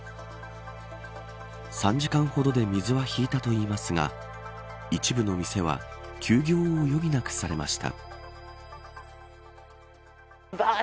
３時間ほどで水は引いたといいますが一部の店は休業を余儀なくされました。